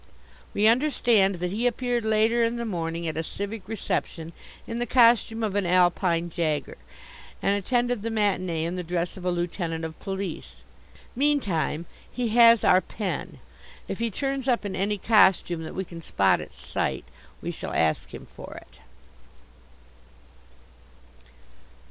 We understand that he appeared later in the morning at a civic reception in the costume of an Alpine Jaeger, and attended the matinee in the dress of a lieutenant of police. Meantime he has our pen. If he turns up in any costume that we can spot at sight, we shall ask him for it.